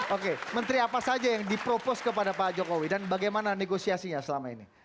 oke menteri apa saja yang dipropos kepada pak jokowi dan bagaimana negosiasinya selama ini